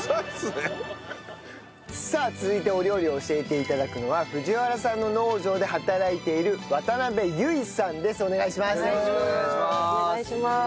さあ続いてお料理を教えて頂くのは藤原さんの農場で働いているお願いします。